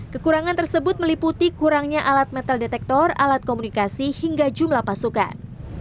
kekurangan tersebut meliputi kurangnya alat metal detektor alat komunikasi hingga jumlah pasukan